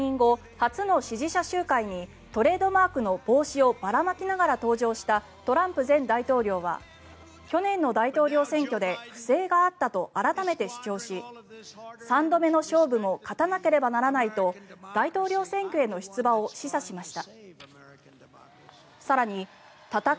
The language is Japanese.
初の支持者集会にトレードマークの帽子をばらまきながら登場したトランプ前大統領は去年の大統領選挙で不正があったと改めて主張し３度目の勝負も勝たなければならないと大統領選挙への出馬を示唆しました。